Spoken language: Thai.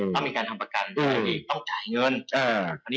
ต้องมีการทำประกันด้วยต้องจ่ายเงิน